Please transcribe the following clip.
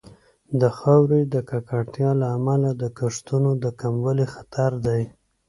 د خاورې د ککړتیا له امله د کښتونو د کموالي خطر دی.